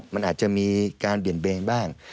มันอาจจะมีการเบี่ยงเบนบ้าง